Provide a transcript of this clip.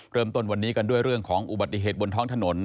เริ่มต้นวันนี้กันด้วยเรื่องของอุบัติเหตุบนท้องถนน